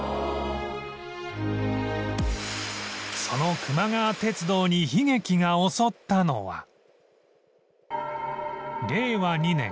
そのくま川鉄道に悲劇が襲ったのは